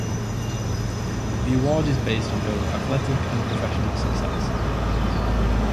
The award is based on both athletic and professional success.